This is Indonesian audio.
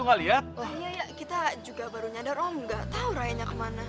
oh iya iya kita juga baru nyadar om gak tau rayanya kemana